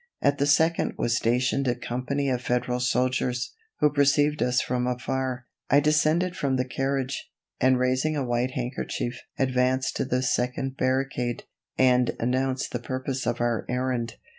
At the second was stationed a company of Federal soldiers, who perceived us from afar. I descended from the carriage, and raising a white handkerchief advanced to the second barricade, and announced the purpose of our errand.